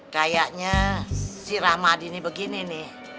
kayaknya si rahmadi ini begini nih